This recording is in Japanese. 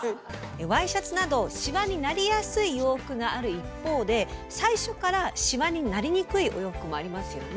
ワイシャツなどシワになりやすい洋服がある一方で最初からシワになりにくいお洋服もありますよね。